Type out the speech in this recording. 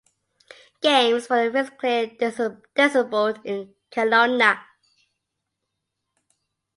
Games for the Physically Disabled in Kelowna.